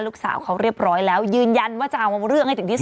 ลูกสาวเขาเรียบร้อยแล้วยืนยันว่าจะเอาเรื่องให้ถึงที่สุด